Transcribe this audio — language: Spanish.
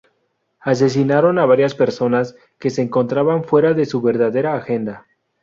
Asesinaron a varias personas que se encontraban fuera de su verdadera agenda.